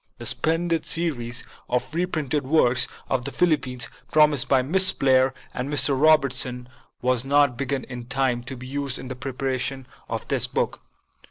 The splendid series of reprinted works on the Philippines, promised by Miss Blair and Mr. Robertson, was not begun in time to be used in the preparation of this book.